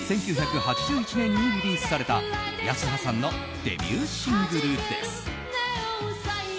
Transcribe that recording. １９８１年にリリースされた泰葉さんのデビューシングルです。